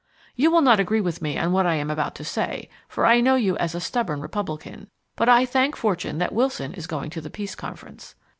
You will not agree with me on what I am about to say, for I know you as a stubborn Republican; but I thank fortune that Wilson is going to the Peace Conference.